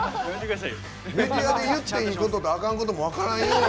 メディアで言っていいこととあかんことも分からんような。